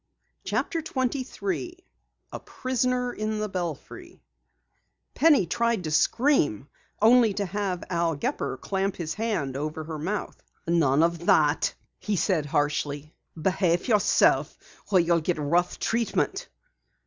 CHAPTER 23 A PRISONER IN THE BELFRY Penny tried to scream, only to have Al Gepper clamp his hand over her mouth. "None of that!" he said harshly. "Behave yourself or you'll get rough treatment."